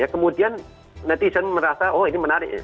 kemudian netizen merasa oh ini menarik